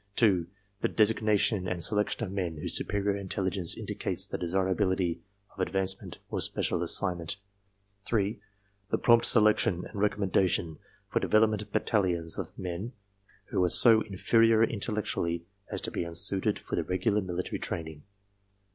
2. The designation and selection of men whose superior in telligence indicates the desirability of advancement or special assignment. 3. The prompt selection and recommendation for develop ment battalions of men who are so inferior intellectually as to be unsuited for regular military training.